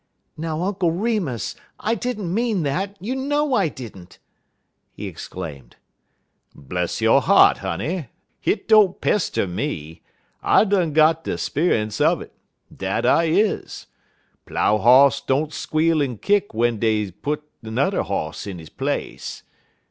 "Now, Uncle Remus! I did n't mean that; you know I did n't," he exclaimed. "Bless yo' heart, honey! hit don't pester me. I done got de speunce un it. Dat I is. Plough hoss don't squeal en kick w'en dey puts 'n'er hoss in he place.